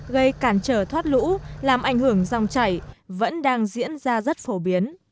gây cản trở thoát lũ làm ảnh hưởng dòng chảy vẫn đang diễn ra rất phổ biến